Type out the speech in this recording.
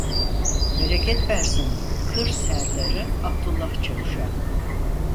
Bereket versin kır Serdarı Abdullah Çavuş'a.